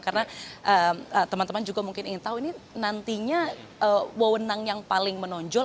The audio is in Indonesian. karena teman teman juga mungkin ingin tahu ini nantinya wawenang yang paling menonjol